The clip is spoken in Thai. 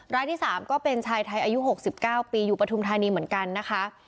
รายที่๓ก็เป็นชายไทยอายุ๖๙ปีอยู่ปฐุมธานีเหมือนกันนะคะ